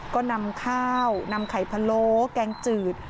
ก็นำข้าวนำไข่พะโล้แกงจืด